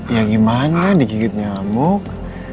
ya gimana dikikit nyamuk